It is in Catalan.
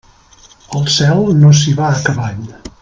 Al cel no s'hi va a cavall.